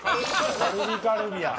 カルビ・カルビや。